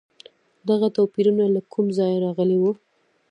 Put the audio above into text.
دغه توپیرونه له کوم ځایه راغلي وو؟